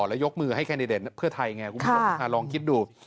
แล้วยกมือให้แคนดิเดตเพื่อไทยไงคุณผู้ชมลองคิดดู